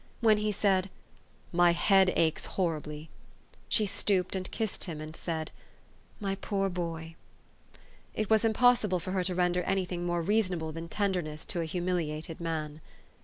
When he said, "My head aches horribly !" she stooped and kissed him, and said, " My poor boy !" It was impossible for her to render any thing more reasonable than tenderness to a humiliated man.